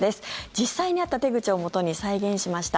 実際にあった手口をもとに再現しました。